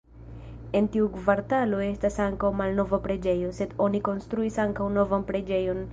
En tiu kvartalo estas ankaŭ malnova preĝejo, sed oni konstruis ankaŭ novan preĝejon.